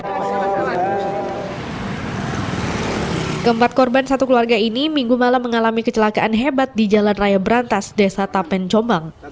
keempat korban satu keluarga ini minggu malam mengalami kecelakaan hebat di jalan raya berantas desa tapen jombang